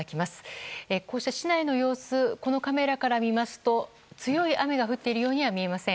このカメラから見ますと強い雨が降っているようには見えません。